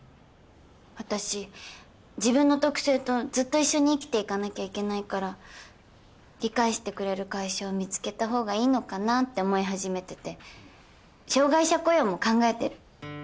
私自分の特性とずっと一緒に生きていかなきゃいけないから理解してくれる会社を見つけた方がいいのかなって思い始めてて障害者雇用も考えてる。